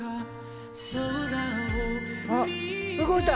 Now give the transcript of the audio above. あっ動いた！